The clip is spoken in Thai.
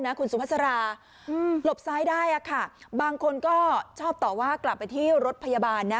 หลบซ้ายได้ค่ะบางคนก็ชอบต่อว่ากลับไปที่รถพยาบาลนะ